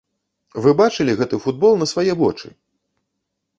Вы бачылі гэты футбол на свае вочы?